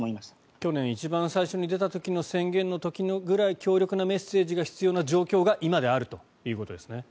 去年、一番最初に出た時の宣言と同じぐらい強力なメッセージが必要な状況が今ということですね。